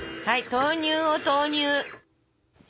豆乳を投入？